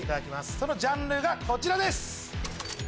そのジャンルがこちらです。